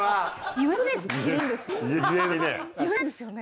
言えないですよね。